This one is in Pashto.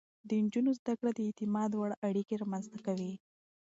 د نجونو زده کړه د اعتماد وړ اړيکې رامنځته کوي.